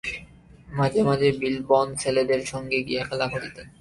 মাঝে মাঝে বিল্বন ছেলেদের সঙ্গে গিয়া খেলা করিতেন।